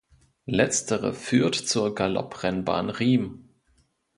Letztere führt zur Galopprennbahn Riem.